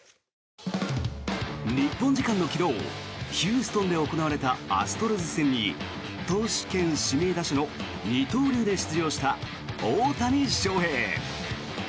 日本時間の昨日ヒューストンで行われたアストロズ戦に投手兼指名打者の二刀流で出場した大谷翔平。